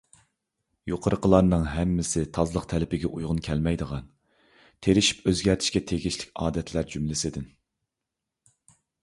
يۇقىرىقىلارنىڭ ھەممىسى تازىلىق تەلىپىگە ئۇيغۇن كەلمەيدىغان، تىرىشىپ ئۆزگەرتىشكە تېگىشلىك ئادەتلەر جۈملىسىدىن.